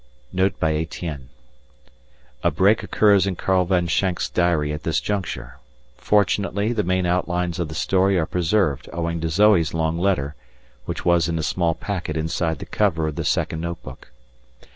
NOTE BY ETIENNE _A break occurs in Karl von Schenk's diary at this juncture. Fortunately the main outlines of the story are preserved owing to Zoe's long letter, which was in a small packet inside the cover of the second notebook.